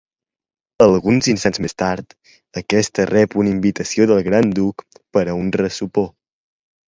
Alguns instants més tard, aquesta rep una invitació del Gran Duc per a un ressopó.